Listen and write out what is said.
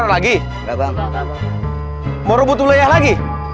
lagi mau rubut uleyah lagi